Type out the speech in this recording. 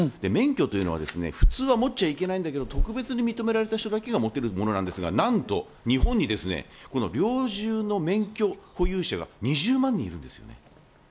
免許というのは普通は持っちゃいけないんだけど、特別に認められた人だけが持っているものなんですけど、なんと日本にこの猟銃の免許保有者が２０万人いるんです。